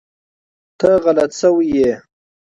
ته غلط شوی ېي